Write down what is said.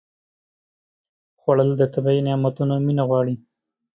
خوړل د طبیعي نعمتونو مینه غواړي